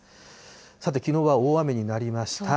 さてきのうは大雨になりました。